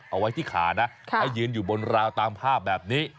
เอาไว้ที่ขานะให้ยืนอยู่บนราวตามภาพแบบนี้